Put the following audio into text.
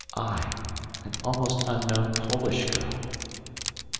I, an almost unknown Polish girl!